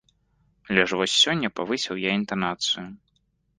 Але ж вось сёння павысіў я інтанацыю.